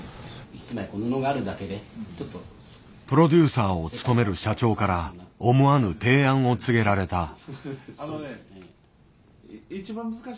プロデューサーを務める社長から思わぬ提案を告げられた。